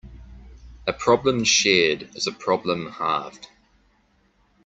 A problem shared is a problem halved.